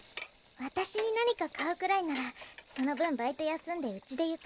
私に何か買うくらいならその分バイト休んでうちでゆっくりして。